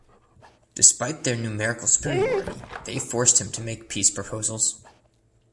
Despite their numerical superiority they forced him to make peace proposals.